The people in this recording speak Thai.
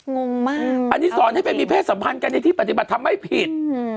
งงมากอันนี้สอนให้ไปมีเพศสัมพันธ์กันในที่ปฏิบัติทำไม่ผิด